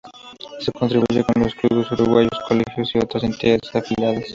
Se constituye con los clubes uruguayos, colegios y otras entidades afiliadas.